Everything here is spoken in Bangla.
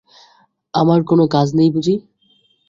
আমার কোনো কাজ নেই বুঝি?